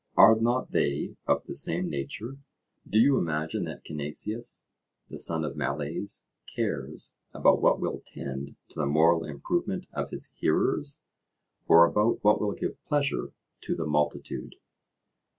—are not they of the same nature? Do you imagine that Cinesias the son of Meles cares about what will tend to the moral improvement of his hearers, or about what will give pleasure to the multitude?